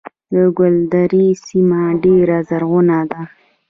د ګلدرې سیمه ډیره زرغونه ده